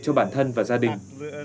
cho bản thân và gia đình